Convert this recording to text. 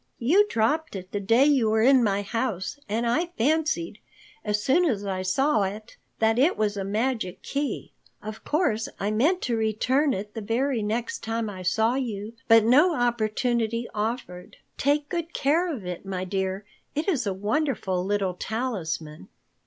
"You dropped it the day you were in my house, and I fancied, as soon as I saw it, that it was a magic key. Of course, I meant to return it the very next time I saw you, but no opportunity offered. Take good care of it, my dear. It is a wonderful little talisman."